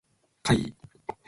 怪異